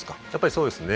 そうですね。